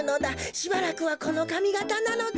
しばらくはこのかみがたなのだ。